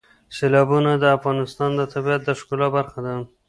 سیلابونه د افغانستان د طبیعت د ښکلا برخه ده.